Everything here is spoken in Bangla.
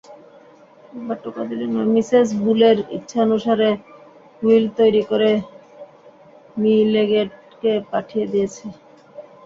মিসেস বুলের ইচ্ছানুসারে উইল তৈরী করে মি লেগেটকে পাঠিয়ে দিয়েছি।